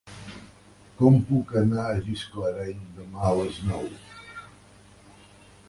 Com puc anar a Gisclareny demà a les nou?